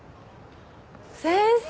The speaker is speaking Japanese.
先生！